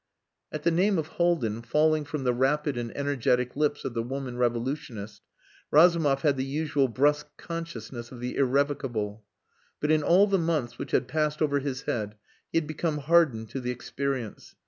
At the name of Haldin falling from the rapid and energetic lips of the woman revolutionist, Razumov had the usual brusque consciousness of the irrevocable. But in all the months which had passed over his head he had become hardened to the experience.